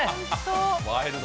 ワイルド。